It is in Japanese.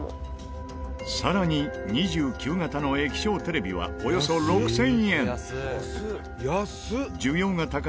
さらに、２９型の液晶テレビはおよそ６０００円需要が高い